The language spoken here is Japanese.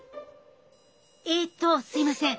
えっとすいません。